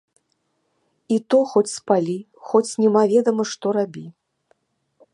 А то хоць спалі, хоць немаведама што рабі.